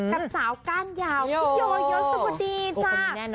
กับสาวก้านยาวพี่โยสักวันดีจ้ะ